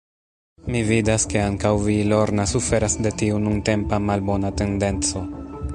Mi vidas, ke ankaŭ vi, Lorna, suferas de tiu nuntempa, malbona tendenco.